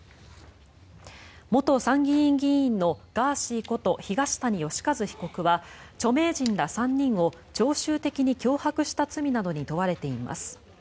元参議院議員のガーシーこと東谷義和被告は著名人ら３人を常習的に脅迫した罪などに問われています。